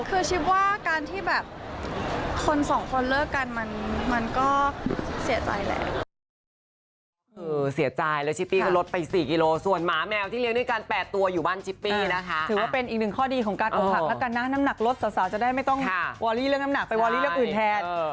คือชิปว่าการที่แบบคนสองคนเลิกกันมันก็เสียใจแหละ